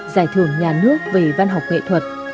giải thưởng nhà nước về văn học nghệ thuật